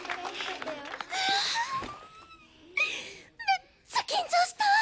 めっちゃ緊張した！